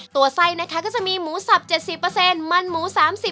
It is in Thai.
ตัวไส้นะคะก็จะมีหมูสับ๗๐มันหมู๓๐